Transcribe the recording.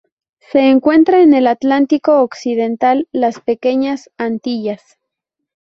Se encuentra en el Atlántico occidental: las Pequeñas Antillas.